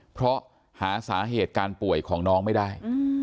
เพราะหาสาเหตุการป่วยของน้องไม่ได้